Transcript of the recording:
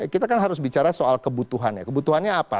kita kan harus bicara soal kebutuhan ya kebutuhan yang kita butuhkan ya